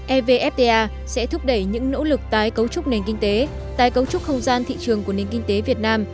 evfta sẽ thúc đẩy những nỗ lực tái cấu trúc nền kinh tế tái cấu trúc không gian thị trường của nền kinh tế việt nam